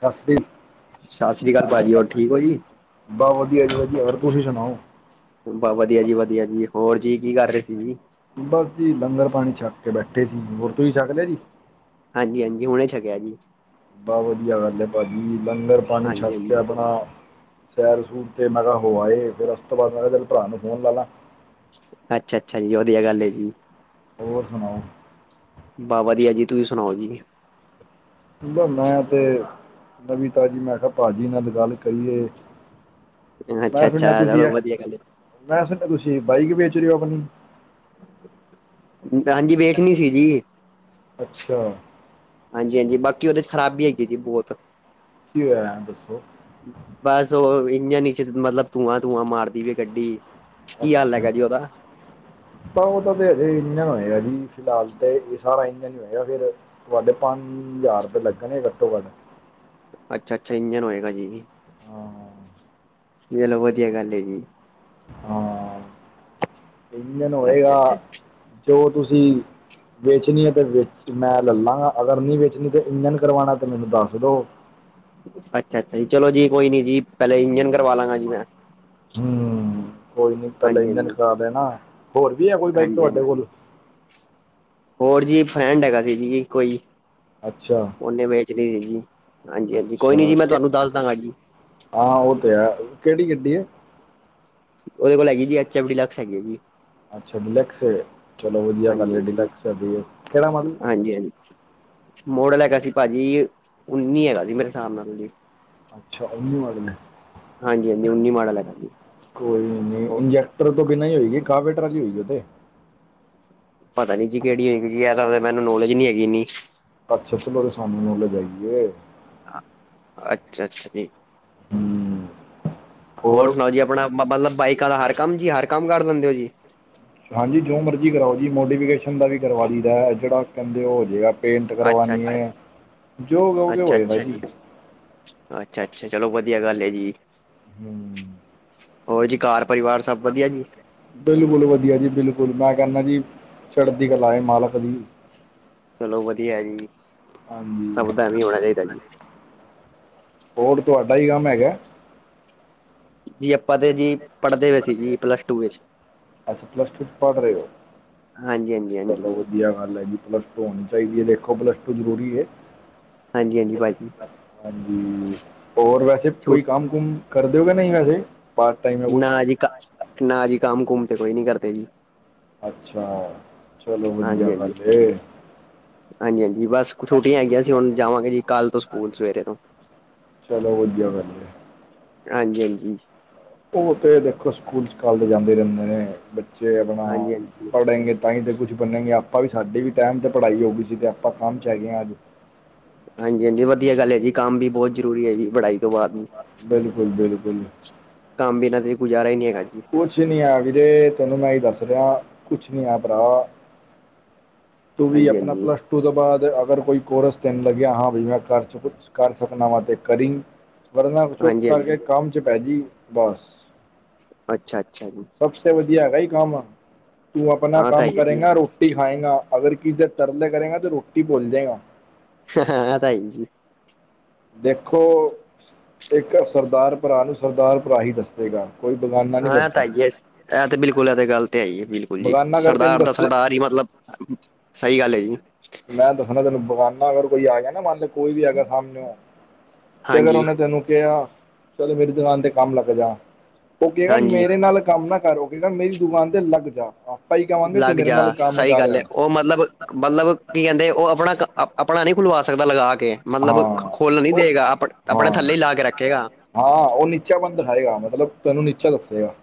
ਸਤਿ ਸ੍ਰੀ ਸਤਿ ਸ੍ਰੀ ਅਕਾਲ ਭਾਜੀ, ਹੋਰ ਠੀਕ ਹੋ ਜੀ? ਬਸ, ਵਧੀਆ ਜੀ, ਵਧੀਆ ਹੋਰ ਤੁਸੀਂ ਸੁਣਾਓ? ਬਸ ਵਧੀਆ ਜੀ- ਵਧੀਆ ਜੀ, ਹੋਰ ਜੀ ਕੀ ਕਰ ਰਹੇ ਸੀ ਜੀ? ਬਸ ਜੀ ਲੰਗਰ ਪਾਣੀ ਛਕ ਕੇ ਬੈਠੇ ਸੀ ਹੋਰ ਤੁਸੀ ਛਕ ਲਿਆ ਜੀ। ਹਾਂਜੀ ਹਾਂਜੀ ਹੁਣੇ ਛਕਿਆ ਜੀ। ਬਹੁਤ ਵਧੀਆ ਗੱਲ ਹੈ ਭਾਅ ਜੀ ਲੰਗਰ ਪਾਣੀ ਹਾਂਜੀ ਛਕ ਕੇ ਹਾਂਜੀ ਆਪਣਾ। ਸੈਰ ਸੂਰ ਤੇ ਮੈਂ ਕਿਹਾ ਹੋ ਆਏ ਫੇਰ ਉਸ ਤੋਂ ਬਾਅਦ ਮੈਂ ਕਿਹਾ ਤੇਰੇ ਭਰਾ ਨੂੰ ਫੋਨ ਲਾ ਲਾ। ਅੱਛਾ ਅੱਛਾ ਜੀ ਵਧੀਆ ਗੱਲ ਹੈ ਜੀ। ਹੋਰ ਸੁਣਾਓ। ਬਸ ਵਧੀਆ ਜੀ ਤੁਸੀ ਸੁਣਾਓ ਜੀ। ਬਸ ਮੈਂ ਤੇ ਨਵੀ ਤਾਜੀ ਮੈਂ ਕਿਹਾ ਭਾਜੀ ਨਾਲ ਗੱਲ ਕਰੀਏ। ਅੱਛਾ ਮੈਂ ਅੱਛਾ ਸੁਣਿਆ ਤੁਸੀਂ ਚਲੋ ਵਧੀਆ ਗੱਲ। ਮੈਂ ਸੁਣਿਆ ਤੁਸੀਂ ਬਾਈਕ ਵੇਚ ਰਹੇ ਹੋ ਆਪਣੀ। ਹਾਂਜੀ ਵੇਚਣੀ ਸੀ ਜੀ। ਅੱਛਾ। ਹਾਂਜੀ ਹਾਂਜੀ ਬਾਕੀ ਉਹਦੇ 'ਚ ਖ਼ਰਾਬੀ ਹੈਗੀ ਹੈ ਜੀ ਬਹੁਤ। ਕੀ ਹੋਇਆ ਦੱਸੋ। ਬਸ ਉਹ ਇੰਜਨ ਨੀਚੇ ਮਤਲਬ ਧੂੰਆਂ ਧੂੰਆਂ ਮਾਰਦੀ ਪਈ ਹੈ ਗੱਡੀ। ਕੀ ਹਾਲ ਅੱਛਾ। ਹੈਗਾ ਜੀ ਉਹਦਾ ਤਾਂ ਉਹ ਤਾਂ ਤੇ ਹਜੇ ਇੰਜਨ ਹੋਏਗਾ ਜੀ ਫਿਲਹਾਲ ਤੇ ਇਹ ਸਾਰਾ ਇੰਜਨ ਹੋਏਗਾ ਫਿਰ। ਤੁਹਾਡੇ ਪੰਜ ਹਜ਼ਾਰ ਰੁਪਏ ਲੱਗਣਗੇ ਘੱਟੋ ਘੱਟ। ਅੱਛਾ ਅੱਛਾ ਇੰਜਨ ਹੋਏਗਾ ਜੀ। ਹਾਂ ਚਲੋ ਵਧੀਆ ਗੱਲ ਹੈ ਜੀ। ਹਾਂ ਇੰਜਨ ਅੱਛਾ ਹੋਏਗਾ ਅੱਛਾ ਜੋ ਤੁਸੀਂ। ਵੇਚਣੀ ਹੈ ਤੇ ਵੇ ਮੈਂ ਲੈ ਲਾਂਗਾ ਅਗਰ ਨਹੀਂ ਵੇਚਣੀ ਤੇ ਇੰਜਣ ਕਰਵਾਉਣਾ ਤੇ ਮੈਨੂੰ ਦੱਸ ਦੋ। ਅੱਛਾ ਅੱਛਾ ਜੀ ਚਲੋ ਜੀ ਕੋਈ ਨੀ ਜੀ ਪਹਿਲੇ ਇੰਜਨ ਕਰਵਾ ਲਾਂਗਾ ਜੀ ਮੈਂ। ਹੂੰ ਕੋਈ ਨੀ ਪਹਿਲਾਂ ਹਾਂਜੀ ਹਾਂਜੀ ਇੰਜਨ ਕਰਾ ਦੇਣਾ ਹੋਰ ਵੀ ਹੈ। ਕੋਈ ਬਾਈਕ ਹਾਂਜੀ ਹਾਂਜੀ ਤੁਹਾਡੇ ਕੋਲ। ਹੋਰ ਜੀ ਫੈਂਰਡ ਹੈਗਾ ਸੀ ਜੀ ਕੋਈ। ਅੱਛਾ। ਓਨੇ ਵੇਚਣੀ ਸੀ ਜੀ ਹਾਂਜੀ ਹਾਂਜੀ ਕੋਈ ਨੀ ਅੱਛਾ ਜੀ ਮੈਂ ਕਿ- ਤੁਹਾਨੂੰ ਦੱਸ ਦਾਂਗਾ ਜੀ। ਹਾਂ ਉਹ ਤੇ ਹੈ ਕਿਹੜੀ ਗੱਡੀ ਹੈ। ਉਹਦੇ ਕੋਲ ਹੈਗੀ ਜੀ ਐਚ ਐਮ ਡੀ ਲਕਸ ਹੈਗੀ ਹੈ ਵੀ। ਅੱਛਾ ਡਿਲੈਕਸ ਹੈ। ਚਲੋ ਵਧੀਆ ਹਾਂਜੀ ਗੱਲ ਹਾਂਜੀ ਡਿਲੈਕਸ ਚਲ ਰਹੀ ਹੈ। ਕਿਹੜਾ ਮਾਡਲ। ਹਾਂਜੀ ਹਾਂਜੀ ਮੋਡਲ ਹੈਗਾ ਸੀ ਭਾਜੀ ਉਨੀ ਹੈਗਾ ਸੀ ਮੇਰੇ ਹਿਸਾਬ ਨਾਲ। ਅੱਛਾ ਉਨੀ ਮਾਡਲ ਹੈ। ਹਾਂਜੀ ਹਾਂਜੀ ਉੱਨੀ ਮਾਡਲ ਹੈਗਾ ਜੀ। ਕੋਈ ਨੀ ਇੰਜੈਕਟਰ ਤੋਂ ਬਿਨਾ ਹੀ ਹੋਏਗੀ ਕਾਵੇਟਰ ਵਾਲੀ ਹੋਏਗੀ। ਉਹ ਤੇ। ਪਤਾ ਨੀ ਜੀ ਕਿਹੜੀ ਹੋਗੀ ਜ਼ਿਆਦਤਰ ਮੈਨੂੰ ਨੌਲੇਜ ਨੀ ਹੈਗੀ ਇੰਨੀ। ਅੱਛਾ ਅੱਛਾ ਪਰ ਸਾਨੂੰ ਨੌਲੇਜ ਹੈਗੀ ਹੈ। ਹਾਂ ਅੱਛਾ ਅੱਛਾ ਜੀ। ਹੂੰ ਹੋਰ ਸੁਣਾਓ ਜੀ ਆਪਣਾ ਮਤਲਬ ਬਾਈਕਾਂ ਵਾਲਾ ਹਰ ਕੰਮ ਜੀ ਹਰ ਕੰਮ ਕਰ ਦਿੰਦੇ ਹੋ ਜੀ। ਹਾਂਜੀ ਜੋ ਮਰਜ਼ੀ ਕਰਾਓ ਜੀ ਮੋਡੀਫਿਕੇਸ਼ਨ ਦਾ ਵੀ ਕਰਵਾ ਲਈਦਾ ਜਿਹੜਾ ਕਹਿੰਦੇ ਉਹ ਹੋ ਜਾਵੇਗਾ। ਪੇਂਟ ਅੱਛਾ ਕਰਵਾਉਣੀ ਅੱਛਾ ਜੀ। ਹੈ। ਜੋ ਕਹਿਣਗੇ ਉਹ ਅੱਛਾ ਹੋਏਗਾ ਅੱਛਾ ਜੀ। ਅੱਛਾ ਅੱਛਾ ਚਲੋ ਵਧੀਆ ਗੱਲ ਹੈ ਜੀ ਹਮ ਹੋਰ ਜੀ ਘਾਰ ਪਰਿਵਾਰ ਸਭ ਵਧੀਆ ਜੀ ਬਿਲਕੁਲ ਵਧੀਆ ਜੀ ਬਿਲਕੁਲ ਮੈਂ ਕਹਿੰਨਾ ਜੀ ਚੜਦੀ ਕਲਾ ਹੈ ਮਾਲਕ ਦੀ ਚਲੋ ਵਧੀਆ ਹੈ ਜੀ ਹਾਂਜੀ ਸਬਦਾ ਐਵੀ ਹੋਣਾ ਚਾਹੀਦਾ ਜੀ ਹੋਰ ਤੁਹਾਡਾ ਕੀ ਕੰਮ ਹੈਗਾ ਹੈ ਜੀ ਆਪਾਂ ਤੇ ਜੀ ਪੜਦੇ ਪਏ ਸੀ ਜੀ ਪਲੱਸ ਟੂ ਵਿਚ ਅੱਛਾ ਪਲੱਸ ਟੂ 'ਚ ਪੜ੍ਹ ਰਹੇ ਹੋ ਹਾਂਜੀ ਹਾਂਜੀ ਹਾਂਜੀ ਵਧੀਆ ਗੱਲ ਹੈ ਜੀ ਪਲੱਸ ਟੂ ਹੋਣੀ ਚਾਹੀਦੀ ਹੈ ਦੇਖੋ ਪਲੱਸ ਟੂ ਜ਼ਰੂਰੀ ਹੈ ਹਾਂਜੀ ਹਾਂਜੀ ਭਾਜੀ ਹਾਂਜੀ ਹੋਰ ਵੈਸੇ ਕੋਈ ਛੂਟ ਕੰਮ ਕੰਮ ਕਰਦੇ ਹੋ ਕੇ ਨਹੀਂ ਵੈਸੇ ਪਾਰਟ ਟਾਈਮ ਹੈ ਨਾ ਕੁਛ ਜੀ ਕਾ ਨਾ ਜੀ ਕੰਮ ਕੁਮ ਤੇ ਕੋਈ ਨੀ ਕਰਦੇ ਜੀ ਅੱਛਾ ਚਲੋ ਹਾਂਜੀ ਵਧੀਆ ਹਾਂਜੀ ਗਲ ਏ ਹਾਂਜੀ, ਹਾਂਜੀ ਬਸ ਕੁ ਛੁਟੀਆਂ ਹੈਗੀਆਂ ਸੀ ਹੁਣ ਜਾਵਾਂਗੇ ਜੀ ਕੱਲ੍ਹ ਤੋਂ ਸਕੂਲ ਸਵੇਰੇ ਤੋਂ ਚਲੋ ਵਧੀਆ ਗਲ ਹੈ ਹਾਂਜੀ, ਹਾਂਜੀ ਉਹ ਤੇ ਦੇਖੋ ਸਕੂਲ ਸਕਾਲ ਤੇ ਜਾਂਦੇ ਰਹਿੰਦੇ ਨੇ ਬੱਚੇ ਆਪਣਾ ਹਾਂਜੀ ਹਾਂਜੀ ਪੜੇਂਗੇ ਤਾਂ ਹੀ ਤੇ ਕੁਛ ਬਣਨਗੇ ਆਪਾਂ ਵੀ ਸਾਡੀ ਵੀ ਟੈਮ ਤੇ ਪੜਾਈ ਹੋ ਗਈ ਸੀ ਤੇ ਆਪਾਂ ਕੰਮ ਚ ਹੈਗੇ ਹਾਂ ਅੱਜ ਹਾਂਜੀ- ਹਾਂਜੀ ਵਧੀਆ ਗੱਲ ਹੈ ਜੀ ਕੰਮ ਵੀ ਬਹੁਤ ਜ਼ਰੂਰੀ ਹੈ ਜੀ ਪੜਾਈ ਤੋਂ ਬਾਅਦ ਬਿਲਕੁਲ -ਬਿਲਕੁਲ ਕੰਮ ਬਿਨਾਂ ਤੇ ਗੁਜ਼ਾਰਾ ਹੀ ਨੀ ਹੈਗਾ ਜੀ ਕੁਛ ਨੀ ਆ ਵੀਰੇੇ ਤੈਨੂੰ ਮੈਂ ਹੀ ਦੱਸ ਰਿਹਾ ਕੁਛ ਨੀ ਆ ਭਰਾ ਤੂੰ ਵੀ ਹਾਂਜੀ ਆਪਣਾ ਹਾਂਜੀ ਪਲੱਸ ਟੂ ਤੋਂ ਬਾਅਦ ਅਗਰ ਕੋਈ ਕੋਰਸ ਤੈਨੂੰ ਲੱਗਿਆ ਹਾਂ ਵੀ ਮੈਂ ਕਰ [unintelligible] ਕਰ ਸਕਨਾਵਾਂ ਤੇ ਕਰੀ, ਵਰਨਾ ਚੁੱਪ ਹਾਂਜੀ ਕਰਕੇ ਹਾਂਜੀ ਕੰਮ ਚ ਪੈਜੀ ਬਸ ਅੱਛਾ, ਅੱਛਾ ਜੀ ਸਭਸੇ ਵਧੀਆ ਹੈਗਾ ਹੀ ਕੰਮ, ਤੂੰ ਆਪਣਾ ਹਾਂ ਤਾਂ ਕੰਮ ਹੀ ਹੈ ਜੀ ਕਰੇਗਾ ਰੋ ਟੀ ਖਾਏਂਗਾ ਅਗਰ ਕਿਸੀ ਦੇ ਤਰਲੇ ਕਰੇਗਾ ਤੇਂ ਰੋਟੀ ਭੁਲ ਜਾਏਗਾ [unintelligible] ਜੀ ਦੇਖੋ ਇੱਕ ਸਰਦਾਰ ਭਰਾ ਨੂੰ ਸਰਦਾਰ ਭਰਾ ਹੀ ਦੱਸੇਗਾ ਕੋਈ ਬਗਾਨਾ ਨਹੀਂ ਐ ਤਾਂ ਦੱਸਦਾ ਹੈਈ ਏ ਇਹ ਤੇ ਬਿਲਕੁਲ ਇਹ ਤੇ ਗੱਲ ਤੇ ਹੈਈ ਹੈ ਬਿਲਕੁਲ ਜੀ ਬਗਾਨਾ ਅਗਰ ਤੈਨੂੰ ਸਰਦਾਰ ਦਾ ਦੱਸੇ ਸਰਦਾਰ ਹੀ ਮਤਲਬ [unintelligible] ਸਹੀ ਗੱਲ ਹੈ ਜੀ ਮੈਂ ਦੱਸਣਾ ਤੈਨੂੰ ਬਗਾਨਾ ਅਗਰ ਕੋਈ ਆਏਗਾ ਨਾ ਮੰਨ ਕੋਈ ਵੀ ਹੈਗਾ ਸਾਮਨੇਉ ਤੇ ਅਗਰ ਹਾਂਜੀ ਉਹਨੇ ਤੈਨੂੰ ਕਿਹਾ ਚਲੋ ਮੇਰੀ ਦੁਕਾਨ ਤੇ ਕੰਮ ਲੱਗ ਜਾ ਉਹ ਕਹੇਗਾ ਹਾਂਜੀ ਮੇਰੇ ਨਾਲ ਕੰਮ ਨਾ [unintelligible] ਹੋਗੇਗਾ ਮੇਰੀ ਦੁਕਾਨ ਤੇ ਲੱਗ ਜਾ ਆਪ ਲਗ ਜਾ ਸਹੀ ਗੱਲ ਹੈ ਉਹ ਮਤਲਬ ਮਤਲਬ ਕੀ ਕਹਿੰਦੇ ਉਹ ਆਪਣਾ ਕ, ਆਪਣਾ ਨਹੀਂ ਖੁਲਵਾ ਸਕਦਾ ਲਗਾ ਕੇ ਕੇ ਮਤਲਬ ਹਾਂ ਖੋਲਣ ਨੀ ਦੇਗਾ ਆਪਣਾ, ਆਪਣੇ ਹਾਂ ਥੱਲੇ ਲਾ ਕੇ ਰੱਖੇਗਾ ਹਾਂ ਉਹ ਨੀਚਾ ਪਨ ਦਿਖਾਏਗਾ ਮਤਲਬ ਤੈਨੂੰ ਨੀਚਾ ਦੱਸੇਗਾ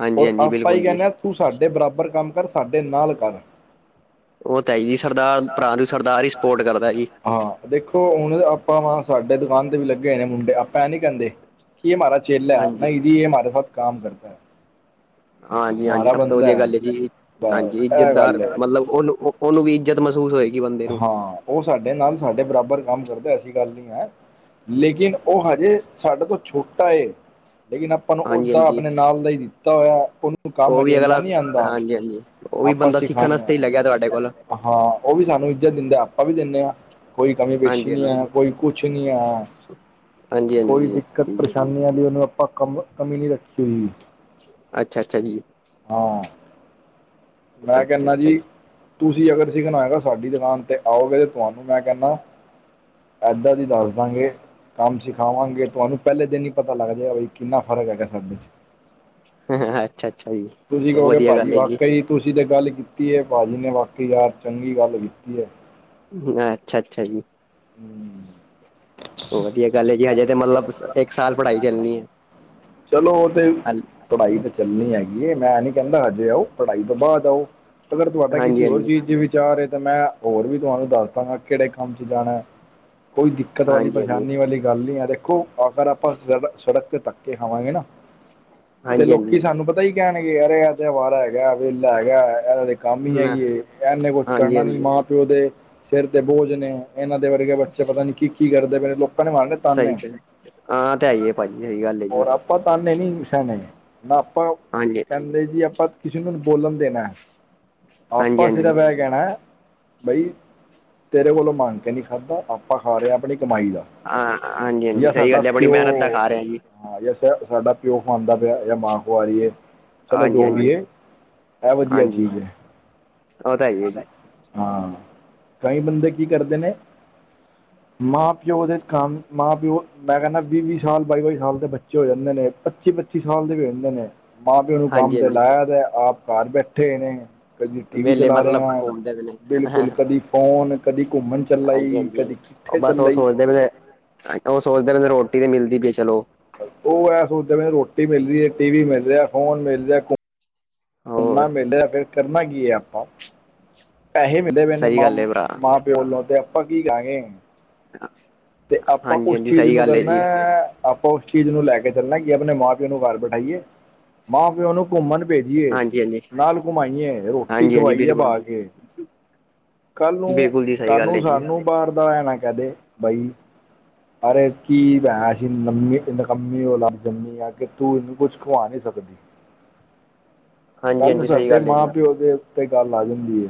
ਹਾਂਜੀ ਹੋਰ ਹਾਂਜੀ ਆਪਾਂ ਹੀ ਬਿਲਕੁਲ ਜੀ ਕਹਿੰਨੇ ਹਾਂ, ਤੂੰ ਸਾਡੇ ਬਰਾਬਰ ਕੰਮ ਕਰ ਸਾਡੇ ਨਾਲ ਕਰ ਉਹ ਤਾਂ ਹੈ ਜੀ ਸਰਦਾਰ ਭਰਾ ਨੂੰ ਸਰਦਾਰ ਹੀ ਸਪੋਰਟ ਕਰਦਾ ਹੈ ਜੀ ਹਾਂ ਦੇਖੋ ਹੁਣ ਆਪਾਂ ਵਾਂ ਸਾਡੇ ਦੁਕਾਨ ਤੇ ਵੀ ਲੱਗੇ ਹੋਏ ਨੇ ਮੁੰਡੇ ਆਪਾਂ ਐਂ ਨੀ ਕਹਿੰਦੇ ਕੀ ਹਮਾਰਾ ਚੇਲਾ ਹੈ ਹਾਂਜੀ ਨਹੀ ਜੀ ਯੇ ਹਮਾਰੇ ਸਾਥ ਕਾਮ ਕਰਤਾ ਹੈ ਹਾਂਜੀ -ਹਾਂਜੀ ਸਭ ਤੋਂ ਵਧੀਆ ਗਲ ਹੈ ਜੀ ਹਾਂਜੀ ਬਸ ਇਹ ਇੱਜ਼ਤਦਾਰ ਗੱਲ ਹੈ ਮਤਲਬ ਉਹਨੂੰ ਉਹਨੂੰ ਵੀ ਇੱਜ਼ਤ ਮਹਿਸੂਸ ਹੋਏਗੀ ਬੰਦੇ ਨੂੰ ਹਾਂ ਉਹ ਸਾਡੇ ਨਾਲ ਸਾਡੇ ਬਰਾਬਰ ਕੰਮ ਕਰਦਾ ਐਸੀ ਗੱਲ ਨਹੀਂ ਹੈ ਲੇਕਿਨ ਉਹ ਹਜੇ ਸਾਡੇ ਤੋਂ ਛੋਟਾ ਏ ਲੇਕਿਨ ਆਪਾਂ ਹਾਂਜੀ ਓਦਾ ਹਾਂਜੀ ਆਪਣੇ ਨਾਲ ਦਾ ਹੀ ਦਿੱਤਾ ਹੋਇਆ ਉਹਨੂੰ ਕੰਮ ਉਹ ਵੀ ਅਜੇ ਇੰਨਾ ਅਗਲਾ ਨੀ ਆਂਉਦਾ, ਹਾਂਜੀ ਹਾਂਜੀ ਉਹ ਵੀ ਆਪਾ ਬੰਦਾ ਸਿੱਖਣ ਵਾਸਤੇ ਸਿਖਾਣਾ ਹੀ ਲੱਗਿਆ ਤੁਹਾਡੇ ਕੋਲ ਹਾਂ ਉਹ ਵੀ ਸਾਨੂੰ ਇੱਜਤ ਦਿੰਦੇ ਆਪਾਂ ਵੀ ਦਿੰਦੇ ਹਾਂ ਕੋਈ ਕਮੀ ਪੇਸ਼ੀ ਹਾਂਜੀ ਨੀ ਹਾਂਜੀ ਹੈ ਕੋਈ ਕੁਛ ਨੀ ਆ, ਹਾਂਜੀ ਹਾਂਜੀ ਕੋਈ ਜੀ ਦਿੱਕਤ ਠੀਕ ਹੈ ਜੀ ਪਰੇਸ਼ਾਨੀ ਆ ਦੀ ਉਹਨੂੰ- ਆਪਾਂ ਕਮ ਕਮੀ ਨਹੀ ਰੱਖੀ ਹੋਈ਼। ਅੱਛਾ, ਅੱਛਾ ਜੀ। ਹਾਂ ਮੈਂ ਅੱਛਾ ਕਹਿੰਦਾ ਅੱਛਾ ਜੀ- ਤੁਸੀਂ ਅਗਰ ਸਿਖਨਾ ਹੋਏਗਾ ਸਾਡੀ ਦੁਕਾਨ ਤੇ ਆਓਗੇ, ਤੇ ਤੁਹਾਨੂੰ ਮੈਂ ਕਹਿੰਦਾ- ਏਦਾਂ ਦੀ ਦੱਸ ਦਵਾਂਗੇ- ਕੰਮ ਸਿਖਾਵਾਂਗੇ ਤੁਹਾਨੂੰ ਪਹਿਲੇ ਦਿਨ ਹੀ ਪਤਾ ਲੱਗ ਜਾਏਗਾ ਬਿ ਕਿੰਨਾ ਫ਼ਰਕ ਹੈਗਾ ਸਾਡੇ ਚ। ਹ ਅੱਛਾ ਅੱਛਾ ਜੀ ਤੁਸੀਂ ਕਹੋਗੇ ਵਧੀਆ ਭਾਜੀ ਗੱਲ ਹੈ ਜੀ। ਵਾਕਈ ਤੁਸੀਂ ਤਾਂ ਗੱਲ ਕੀਤੀ ਹੈ ਭਾਜੀ ਨੇ ਵਾਕੇ ਯਾਰ ਚੰਗੀ ਗੱਲ ਕੀਤੀ ਹੈ। ਅੱਛਾ, ਅੱਛਾ ਜੀ। [unintelligible] ਉਹ ਵਧੀਆ ਗੱਲ ਹੈਜੀ। ਹਜੇ ਤੇ ਮਤਲਬ ਇੱਕ ਸਾਲ ਪੜ੍ਹਾਈ ਚੱਲਣੀ ਹੈ। ਚਲੋ ਉਹ ਤੇ- ਹਲ ਪੜ੍ਹਾਈ ਤਾਂ ਚੱਲਣੀ ਹੈਗੀ ਏ, ਮੈਂ ਨੀ ਕਹਿੰਦਾ ਹਜੇ ਆਓ ਪੜ੍ਹਾਈ ਤੋਂ ਬਾਅਦ ਆਓ। ਅਗਰ ਤੁਹਾਡਾ ਹਾਂਜੀ ਕਿਸੇ ਹੋਰ ਹਾਂਜੀ ਚੀਜ਼ ਚ ਵਿਚਾਰ ਏ, ਤਾਂ ਮੈਂ ਹੋਰ ਵੀ ਤੁਹਾਨੂੰ ਦੱਸ ਦਾਂਗਾ। ਕਿਹੜੇ ਕੰਮ ਚ ਜਾਣਾ, ਕੋਈ ਦਿੱਕਤ ਵਾਲੀ ਹਾਂਜੀ ਹਾਂਜੀ ਪਰੇਸ਼ਾਨੀ ਵਾਲੀ ਗੱਲ ਨਹੀਂ ਹੈ। ਦੇਖੋ- ਅਗਰ ਆਪਾਂ ਸੜ ਸੜਕ ਤੇ ਧੱਕੇ ਖਵਾਂਗੇ ਨਾ, ਤੇ ਹਾਂਜੀ ਲੋਕੀ ਹਾਂਜੀ ਸਾਨੂੰ ਪਤਾ- ਕਈ ਕੈਨ ਗੇ ਅਰੇ ਐ ਤਾਂ ਅਵਾਰਾ ਹੈਗੈ ਵੇਲਾ ਹੈਗਾ ਇਦਾ ਤਾਂ ਕੰਮ ਹੀ ਹਮ ਏਹੀ ਏ ਇਨੇ ਕੁਛ ਹਾਂਜੀ ਕਰਨਾ ਨੀ ਹਾਂਜੀ ਮਾਂ ਪਿਓ ਦੇ ਸਿਰ ਤੇ ਬੋਝ ਨੇ, ਇਹਨਾਂ ਦੇ ਵਰਗੇ ਬੱਚੇ ਪਤਾ ਨੀ ਕੀ-ਕੀ ਕਰਦੇ ਪੇ ਲੋਕ ਸਹੀ ਕਿਹਾ। ਹਾਂ, ਤੇ ਏਹੀ ਏ ਭਾਜੀ ਸਹੀ ਗੱਲ ਹੈ ਜੀ। ਔਰ ਆਪਾਂ ਤਾਂਨੇ ਨੀ ਸਹਿਣੇ, ਨਾ ਆਪਾਂ ਹਾਂਜੀ ਕਹਿੰਦੇ ਜੀ ਆਪਾਂ ਕਿਸੇ ਨੂੰ ਨੀ ਬੋਲਣ ਦੇਣਾ ਹੈ। ਹਾਂਜੀ ਆਪਾ ਹਾਂਜੀ ਸਿਰਫ ਐ ਕਿਹਨੈ ਬਈ, ਤੇਰੇ ਕੋਲੋਂ ਮੰਗ ਕੇ ਨਹੀਂ ਖਾਧਾ ਆਪਾਂ ਖਾ ਰਹੇ ਹਾਂ ਆਪਣੀ ਕਮਾਈ ਦਾ। ਹਾਂ, ਹਾਂਜੀ ਹਾਂਜੀ ਜਾਂ ਸਹੀ ਸਾਡਾ ਗੱਲ ਹੈ। ਬੜੀ ਪਿਓ ਮਿਹਨਤ ਦਾ ਖਾ ਰਿਹਾ ਜੀ। ਹਾਂ, ਯਾ ਸਿਰਫ ਸਾਡਾ ਪਿਓ ਖਵਾਉਂਦਾ ਪਿਆ ਯਾ ਮਾਂ ਖਵਾ ਰਹੀ ਏ। ਚਲੋ ਹਾਂਜੀ ਜੋ ਵੀ ਹਾਂਜੀ ਏ। ਇਹ ਵਧੀਆ ਚੀਜ਼ ਏ। ਓ ਤੇ ਹੈ ਹੀ ਏ ਜੀ। ਹਾਂ, ਕਈ ਬੰਦੇ ਕੀ ਕਰਦੇ ਨੇ? ਮਾਂ-ਪਿਓ ਉਹਦੇ ਕੰਮ, ਮਾਂ-ਪਿਓ ਮੈਂ ਕਹਿੰਦਾ ਵੀਹ ਵੀਹ ਸਾਲ ਬਾਈ ਬਾਈ ਸਾਲ ਦੇ ਬੱਚੇ ਹੋ ਜਾਂਦੇ ਨੇ, ਪੱਚੀ ਪੱਚੀ ਸਾਲ ਦੇ ਵੀ ਹੋ ਜਾਂਦੇ ਨੇ। ਮਾਂ ਪਿਓ ਨੂੰ ਹਾਂਜੀ ਕੰਮ ਤੇ ਹਾਂਜੀ ਲਾਇਆ ਦੈ, ਤੇ ਆਪ ਘਰ ਬੈਠੇ ਨੇ। ਕਦੀ ਟੀਵੀ ਵਿਹਲੇ ਚਲਾ ਰਹੇ ਮਤਲਬ ਆ, ਘੁੰਮਦੇ ਪਏ ਨੇ ਬਿਲਕੁਲ ਕਦੀ ਫੋਨ ਕਦੀ ਘੁੰਮਣ ਚੱਲਈ ਹਾਂਜੀ, ਹਾਂਜੀ ਕਦੀ ਉਹ ਕਿੱਥੇ ਬਸ ਉਹ ਚੱਲਈ ਸੋਚਦੇ ਪਏ, ਉਹ ਸੋਚਦੇ ਪਏ ਨੇ ਰੋਟੀ ਤੇ ਮਿਲਦੀ ਪਈ ਚਲੋ ਉਹ ਏਹ ਸੋਚਦਾ ਪਿਆ ਸੀ। ਰੋਟੀ ਮਿਲ ਰਹੀ ਹੈ, ਟੀ ਵੀ ਮਿਲ ਰਿਹਾ, ਫੋਨ ਮਿਲ ਰਿਹਾ। ਸੁਨਾ ਹੋਰ ਮਿਲਲੇ, ਫਿਰ ਕਰਨਾ ਕੀ ਐ ਆਪਾਂ? ਪੈਹੇ ਮਿਲੇ ਪਏ ਨੇ, ਸਹੀ ਮਾਂ, ਗੱਲ ਹੈ ਭਰਾ ਮਾਂ-ਪਿਓ ਲੋਂ ਤੇ ਆਪਾਂ ਕੀ ਗਾਗੇ? ਤੇ, ਆਪਾਂ ਹਾਂਜੀ ਉਸ ਹਾਂਜੀ ਚੀਜ਼ ਸਹੀ ਨੂੰ ਗੱਲ ਹੈ ਕਰਨਾ ਜੀ ਐਐਐ। ਆਪਾਂ ਉਸ ਚੀਜ਼ ਨੂੰ ਲੈ ਕੇ ਚੱਲਣਾ, ਕਿ ਆਪਣੇ ਮਾਂ-ਪਿਓ ਨੂੰ ਬਾਹਰ ਬਠਾਈਏ। ਮਾਂ ਪਿਓ ਨੂੰ ਘੁੰਮਣ ਭੇਜੀਏ, ਹਾਂਜੀ ਹਾਂਜੀ ਨਾਲ ਘੁਮਾਈਏ ਰੋਟੀ ਹਾਂਜੀ ਹਾਂਜੀ ਖਵਾਈਏ ਬਿਲਕੁਲ ਬਾ ਜੀ ਕੇ। ਕੱਲ ਨੂੰ ਬਿਲਕੁਲ ਜੀ ਸਹੀ ਕੱਲ ਗੱਲ ਨੂੰ ਹੈ ਜੀ ਸਾਨੂੰ ਬਾਹਰ ਦਾ ਆ ਨਾ ਕਹਿੰਦੇ ਬਾਈ। ਅ ਕੀ ਭੈਂੰ ਨਿਕੰਮੀ ਜੰਮੀ ਆ ਕਿ ਤੂੰ ਇਹਨੂੰ ਕੁਛ ਘੁੰਮਾ ਨੀ ਸਕਦਾ। ਹਾਂਜੀ ਕੱਲ ਨੁ ਹਾਂਜੀ ਸਹੀ ਸਾਡੇ ਗੱਲ ਹੈ ਮਾਂ ਜੀ ਪਿਓ ਦੇ ਉੱਤੇ ਗੱਲ ਆ ਜਾਂਦੀ ਏ।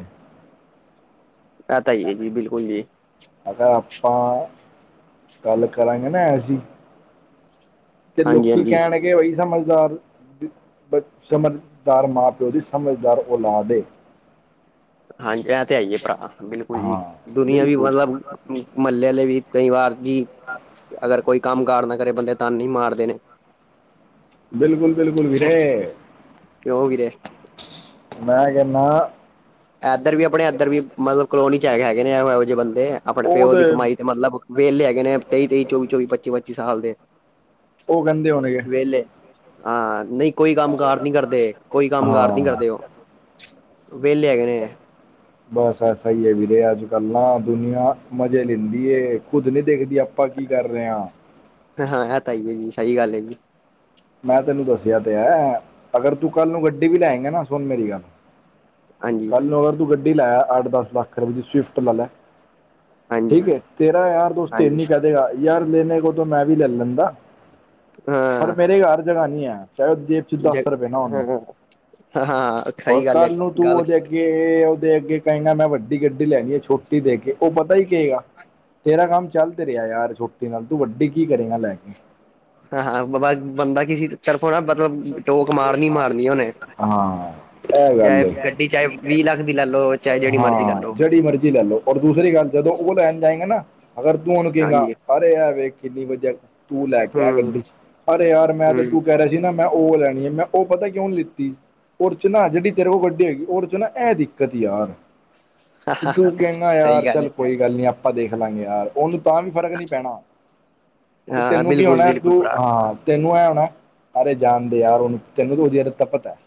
ਇਹ ਤਾਂ ਹੈ ਹੀ ਐ, ਜੀ। ਬਿਲਕੁਲ ਜੀ। ਅਗਰ ਆਪਾਂ ਗੱਲ ਕਰਾਂਗੇ ਨਾ ਐਸੀ ਤੇ ਹਾਂਜੀ ਲੋਕੀ ਹਾਂਜੀ ਕਹਿਣਗੇ ਬਾਈ, ਸਮਝਦਾਰ ਸਮਝਦਾਰ ਮਾਂ-ਪਿਓ ਦੀ ਸਮਝਦਾਰ ਔਲਾਦ ਏ। ਹਾਂਜੀ, ਐ ਤੇ ਹੈ ਈ ਏ ਭਰਾ, ਬਿਲਕੁਲ ਜੀ। ਹਾਂ ਦੁਨੀਆਂ ਵੀ ਬਿਲਕੁਲ ਮਤਲਬ ਮਹੱਲੇ ਅਲੇ ਵੀ ਕਈ ਵਾਰ ਜੀ। ਹਾਂ। ਅਗਰ ਕੋਈ ਕੰਮ ਕਾਰ ਨਾ ਕਰੇ ਬੰਦੇ ਤਾਨੇ ਹੀ ਮਾਰਦੇ ਨੇ ਬਿਲਕੁਲ, ਬਿਲਕੁਲ ਵੀਰੇੈ ਕਿਉ ਵੀਰੇ ਮੈਂ ਕਹਿਣਾ ਇੱਧਰ ਵੀ ਆਪਣੇ ਇੱਧਰ ਵੀ ਮਤਲਬ ਕਲੋਨੀ ਚ ਹੈ ਹੈਗੇ ਨੇ, ਇਹੋ ਜਿਹੇ ਬੰਦੇ ਆਪਣੇ ਪਿਓ ਉਹਦੇ ਦੀ ਕਮਾਈ ਤੇ ਮਤਲਬ ਵਿਹਲੇ ਹੈਗੇ ਨੇ ਤੇਈ ਤੇਈ, ਚੌਵੀ, ਚੌਵੀ ਪੱਚੀ, ਪੱਚੀ ਸਾਲ ਦੇ ਉਹ ਕਹਿੰਦੇ ਹੋਣਗੇ ਵੇਹਲੇ ਹਾਂ ਨਹੀਂ ਕੋਈ ਕੰਮ ਕਾਰ ਨਹੀਂ ਕਰਦੇ ਕੋਈ ਕੰਮ ਕਾਰ ਨੀ ਹਾਂ ਕਰਦੇ ਉਹ ਵਿਹਲੇ ਹੈਗੇ ਨੇ [inaudible] ਬਸ ਐਸਾ ਹੀ ਵੀਰੇ ਅੱਜ ਕੱਲ ਨਾ ਦੁਨੀਆਂ ਮਜੇ ਲੈਂਦੀ ਖੁੱਦ ਨੀ ਦੇਖਦੀ ਆਪਣਾ ਆਪਾਂ ਕੀ ਕਰ ਰਹੇ ਹਾਂ। ਹਾਂ ਇਹ ਤਾਂ ਹੈ ਈ ਏ, ਜੀ ਸਹੀ ਗੱਲ ਹੈ ਜੀ। ਮੈਂ ਤੈਨੂੰ ਦੱਸਿਆ ਤੇ ਹੈ ਅਗਰ ਤੂੰ ਕੱਲ ਨੂੰ ਗੱਡੀ ਵੀ ਲਏਗਾ ਨਾ ਸੁਣ ਮੇਰੀ ਗੱਲ ਹਾਂਜੀ ਕੱਲ ਨੂੰ ਅਗਰ ਤੂੰ ਗੱਡੀ ਲੈ ਅੱਠ ਦਸ ਲੱਖ ਰੁਪਏ ਦੀ ਸਵਿਫਟ ਲਾ ਲੈ ਹਾਂਜੀ ਠੀਕ ਹੈ, ਤੇਰਾ ਯਾਰ ਦੋਸਤ ਤੇਨੂੰ ਹਾਂਜੀ ਹੀ ਕਹਿ ਦੇਗਾ ਯਾਰ ਲੈਣੇ ਕੋਲ ਤਾਂ ਮੈਂ ਵੀ ਲੈ ਲੈਂਦਾ। ਹਾਂ। ਇਹ ਹਰ ਜਗ੍ਹਾ ਨੀ ਹੈ [unintelligible] ਜ ਦਸ ਰੁਪਏ ਨਾ ਹੋਣ ਹਾਂ ਹਾਂ ਔਰ ਸਹੀ ਗੱਲ ਹੈ ਕੱਲ ਨੂੰ ਤੂੰ ਗੱਲ ਉਹਦੇ ਅੱਗੇ ਉਹਦੇ ਅੱਗੇ ਕਹੇਗਾ ਮੈਂ ਵੱਡੀ ਗੱਡੀ ਲੈਣੀ ਹੈ ਛੋਟੀ ਦੇ ਕੇ ਉਹ ਪਤਾ ਹੀ ਕੇਗਾ ਤੇਰਾ ਕੰਮ ਚੱਲ ਤੇ ਰਿਹਾ ਯਾਰ ਛੋਟੇ ਨਾਲ ਤੂੰ ਵੱਡੀ ਕੀ ਕਰੇਗਾ ਲੈ ਕੇ ਹਾਂ, ਹਾਂ ਬਾ ਬੰਦਾ ਕਿਸੇ ਤਰਫੋਂ ਨਾ ਮਤਲਬ ਟੋਕ ਮਾਰਨੀ ਮਾਰਨੀ ਉਹਨੇ ਹਾਂ ਇਹ ਗੱਲ ਚਾਹੇ ਏ। ਗੱਡੀ ਚਾਹੇ ਵੀਹ ਲੱਖ ਦੀ ਲੈ ਲਓ ਚਾਹੇ ਜਿਹੜੀ ਮਰਜ਼ੀ ਲੈ ਹਾਂ ਲਓ ਜਿਹੜੀ ਮਰਜੀ ਲੈ ਲੋ ਔਰ ਦੂਸਰੀ ਗੱਲ ਜਦੋਂ ਉਹ ਲੈਣ ਜਾਏਗਾ ਨਾ ਅਗਰ ਤੂੰ ਹੁਣ ਕਹੇਗਾ ਹਾਂਜੀ ਅਰੇ ਯਾਰ ਵੇਖ ਕਿੰਨੀ ਵਧੀਆ ਤੂੰ ਲੈ ਕੇ ਆ ਹਮ ਗੱਡੀ ਅਰੇ ਯਾਰ ਮੈਂ ਤੇ ਹਮ ਤੂੰ ਕਹਿ ਰਿਹਾ ਸੀ ਨਾ ਮੈਂ ਉਹ ਲੈਣੀ ਹੈ ਮੈਂ ਉਹ ਪਤਾ ਕਿਉਂ ਨੀ ਲਿੱਤੀ ਉਹ ਚ ਨਾ ਜਿਹੜੀ ਤੇਰੇ ਕੋਲ ਗੱਡੀ ਹੋਗੀ ਉਹ ਚ ਨਾ ਐ ਇਹ ਦਿੱਕਤ ਯਾਰ ਤੇ ਤੂੰ ਕਹਿੰਦਾ ਸਹੀ ਯਾਰ ਗੱਲ ਹੈ। ਚੱਲ ਕੋਈ ਗੱਲ ਨੀ ਆਪਾਂ ਦੇਖ ਲਾਂਗੇ ਯਾਰ ਉਹਨੂੰ ਤਾਂ ਵੀ ਫਰਕ ਨੀ ਪੈਣਾ ਤੇ ਹਾਂ ਤੈਨੂੰ ਕੀ ਬਿਲਕੁਲ ਹੋਣਾ ਬਿਲਕੁਲ ਤੂੰ ਭਰਾ ਹਾਂ ਤੈਨੂੰ ਐਂ ਹੋਣਾ ਸਾਰੇ ਜਾਣਦੇ ਯਾਰ ਉਹਨੂੰ ਤੈਨੂੰ ਉਹ ਜ ਤਪਤ ਹੈ।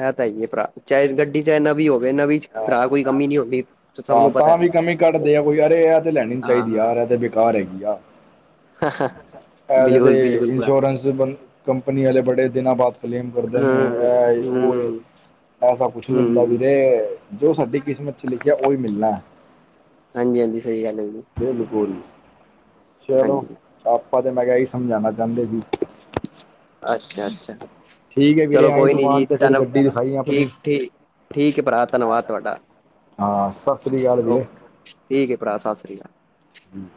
ਹੈ ਤਾਂ ਹੀ ਹੈ ਭਰਾ ਚਾਹੇ ਗੱਡੀ ਚਾਹੇ ਨਵੀਂ ਹੋਵੇ ਨਵੀ ਹਾਂ ਤਾਂ ਵੀ ਕਮੀ ਹੈ। ਘੱਟਦੇ ਆ ਕੋਈ ਯਾਰ ਇਹ ਤੇ ਲੈਣੀ ਚਾਹੀਦੀ ਹਾਂ ਯਾਰ ਏ ਤੇ ਬੀ ਬੇਕਾਰ ਹੈਗੀ ਆ। ਹਾਂ, ਹਾਂ ਪਿਹਲੇ ਤੇ ਇੰਸ਼ੋਰੈਂਸ ਬ ਕੰਪਨੀ ਵਾਲੇ ਬੜੇ ਦਿਨਾਂ ਬਾਅਦ ਕਲੇਮ ਕਰਦੇ ਨੇ ਹੂੰ ਇਹ ਉਹ ਏ ਹੂੰ ਐਸਾ ਕੁਛ ਨੀ ਹੁੰਦਾ ਹੂੰ ਵੀਰੇ ਜੋ ਸਾਡੀ ਕਿਸਮਤ ਚ ਲਿਖਿਆ ਉਹ ਹੀ ਮਿਲਣਾ। ਹਾਂਜੀ, ਹਾਂਜੀ ਸਹੀ ਗੱਲ ਹੈ। ਵੀਰੇ ਬਿਲਕੁਲ ਚਲੋ ਹਾਂਜੀ ਆਪਾਂ ਤੇ ਮੈਂ ਕਿਹਾ ਇ ਹੀ ਸਮਝਾਉਣਾ ਚਾਹੁੰਦੇ ਜੀ। ਅੱਛਾ ਅੱਛਾ ਠੀਕ ਹੈ, ਵੀਰੇ ਚਲੋ ਆਈ ਕੋਈ ਨੀ ਜੀ ਦੁਕਾਨ ਤੇ ਫੇਰ ਤੁਹਾਨੂੰ ਗੱਡੀ ਦਿਖਾਈ ਠੀਕ ਆਪਣੀ। ਠੀਕ ਠੀਕ ਹੈ ਭਰਾ ਧੰਨਵਾਦ ਤੁਹਾਡਾ ਹਾਂ ਸ ਓਕੇ ਠੀਕ ਹੈ, ਭਰਾ ਸਤਿ ਸ੍ਰੀ ਅਕਾਲ। ਹਮ।